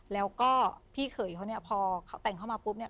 แล้วก็พี่เขยเขาเนี่ยพอเขาแต่งเข้ามาปุ๊บเนี่ย